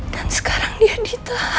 dan sekarang dia ditahan anaknya